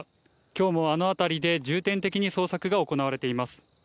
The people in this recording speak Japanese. きょうもあの辺りで重点的に捜索が行われています。